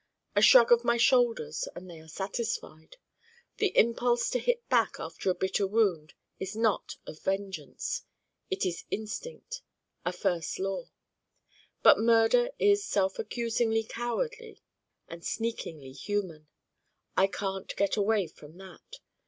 A shrug of my shoulders and they are satisfied. The impulse to hit back after a bitter wound is not of vengeance. It is instinct a 'first law.' But Murder is self accusingly cowardly and sneakingly human. I can't get away from that.